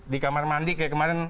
di kamar mandi kayak kemarin